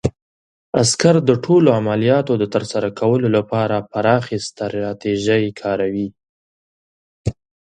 عسکر د ټولو عملیاتو د ترسره کولو لپاره پراخې ستراتیژۍ کاروي.